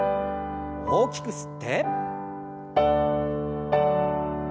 大きく吸って。